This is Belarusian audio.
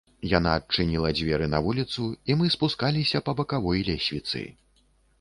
Яна адчыніла дзверы на вуліцу, і мы спускаліся па бакавой лесвіцы.